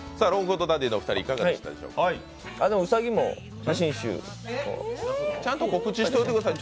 兎も写真集ちゃんと告知しておいてください。